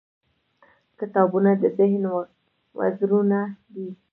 • کتابونه د ذهن وزرونه دي.